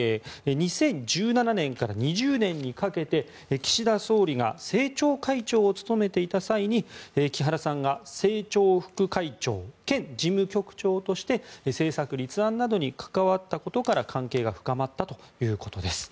２０１７年から２０年にかけて岸田総理が政調会長を務めていた際に木原さんが政調副会長兼事務局長として政策立案などに関わったことから関係が深まったということです。